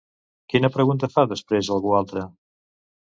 Quina pregunta fa després algú altre?